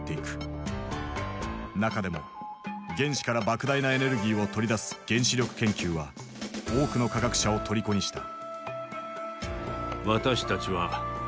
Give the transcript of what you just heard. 中でも原子からばく大なエネルギーを取り出す原子力研究は多くの科学者をとりこにした。